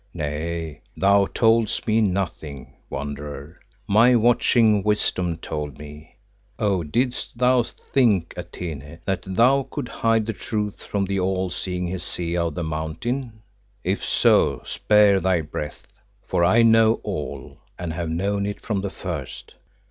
"Nay, thou toldest me nothing, Wanderer; my watching wisdom told me. Oh, didst thou think, Atene, that thou couldst hide the truth from the all seeing Hesea of the Mountain? If so, spare thy breath, for I know all, and have known it from the first.